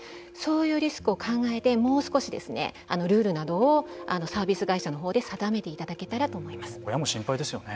そういうリスクを考えてもう少しルールなどをサービス会社のほうで定めていただけたらと思います。